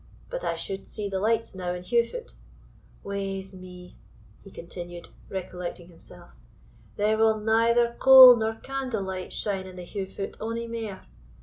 But I should see the lights now in Heugh foot Wae's me!" he continued, recollecting himself, "there will neither coal nor candle light shine in the Heugh foot ony mair!